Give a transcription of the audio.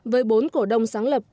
với bốn cổ đông sáng lập